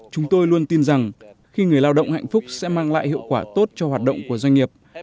chúng tôi luôn tin rằng khi người lao động hạnh phúc sẽ mang lại hiệu quả tốt cho hoạt động của doanh nghiệp